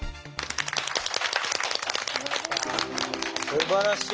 すばらしい！